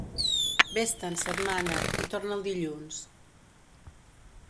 Ves-te'n, setmana, i torna el dilluns.